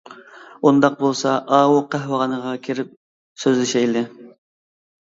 ئۇنداق بولسا ئاۋۇ قەھۋەخانىغا كىرىپ سۆزلىشەيلى.